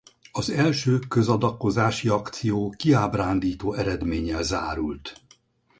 Az első közadakozási akció kiábrándító eredménnyel zárult.